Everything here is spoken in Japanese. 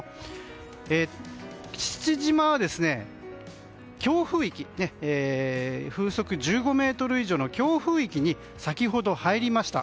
父島は風速１５メートル以上の強風域に先ほど入りました。